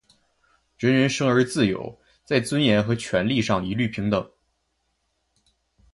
人人生而自由，在尊严和权利上一律平等。